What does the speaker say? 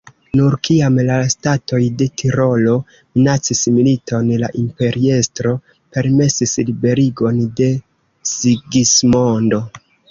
Nur kiam la statoj de Tirolo minacis militon, la imperiestro permesis liberigon de Sigismondo.